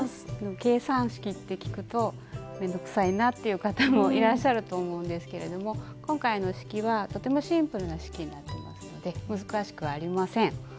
「計算式」って聞くと面倒くさいなっていう方もいらっしゃると思うんですけれども今回の式はとてもシンプルな式になってますので難しくありません。